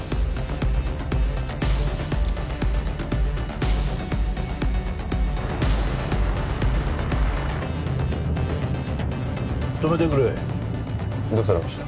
本麒麟止めてくれどうされました？